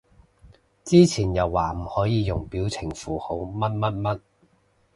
之前又話唔可以用表情符號乜乜乜